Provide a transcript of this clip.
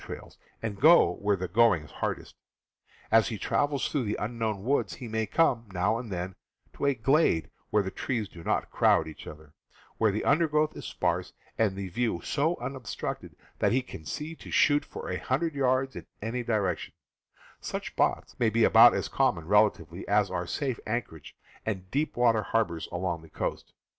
trails, and go where the going is hard est. As he travels through the unbroken woods he may come, now and then, to a glade where the trees do not crowd each other, where the under growth is sparse, and the view so unobstructed that he can see to shoot for a hundred yards in any direction; such spots may be about as common, relatively, as are safe anchorages and deep water harbors along the coast.